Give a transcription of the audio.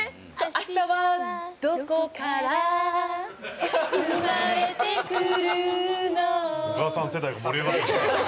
「あしたはどこからうまれてくるの」